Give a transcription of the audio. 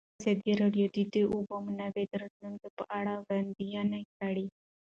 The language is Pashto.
ازادي راډیو د د اوبو منابع د راتلونکې په اړه وړاندوینې کړې.